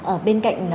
ờ bên cạnh